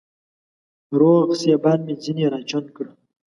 روغ سېبان مې ځيني راچڼ کړه